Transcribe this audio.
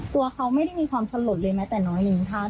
ตัวเขาไม่ได้มีความสลดเลยแม้แต่น้อยหนึ่งท่าน